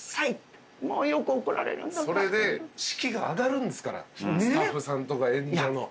それで士気が上がるんですからスタッフさんとか演者の。